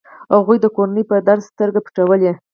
هغوی د کورنيو پر درد سترګې پټولې.